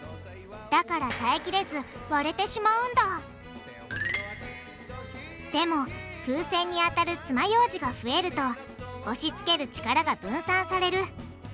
だから耐えきれず割れてしまうんだでも風船に当たるつまようじが増えると押しつける力が分散される。